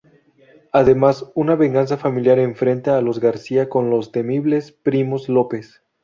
Además, una venganza familiar enfrenta a los García con los temibles primos López.